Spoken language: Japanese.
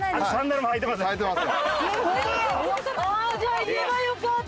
じゃあ言えばよかった！